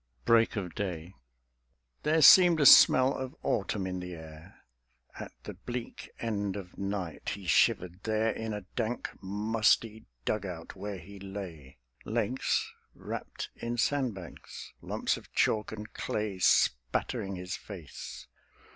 BREAK OF DAY There seemed a smell of autumn in the air At the bleak end of night; he shivered there In a dank, musty dug out where he lay, Legs wrapped in sand bags, lumps of chalk and clay Spattering his face.